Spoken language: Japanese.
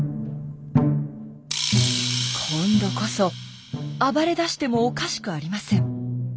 今度こそ暴れだしてもおかしくありません。